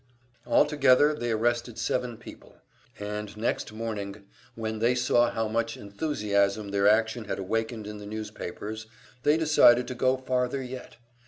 Altogether they arrested seven people; and next morning, when they saw how much enthusiasm their action had awakened in the newspapers, they decided to go farther yet.